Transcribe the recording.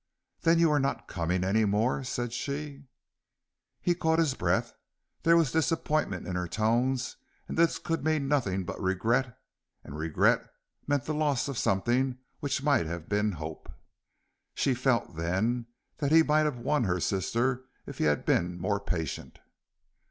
"Then you are not coming any more?" said she. He caught his breath. There was disappointment in her tones and this could mean nothing but regret, and regret meant the loss of something which might have been hope. She felt, then, that he might have won her sister if he had been more patient.